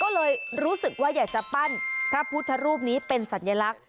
ก็เลยรู้สึกว่าอยากจะปั้นพระพุทธรูปนี้เป็นสัญลักษณ์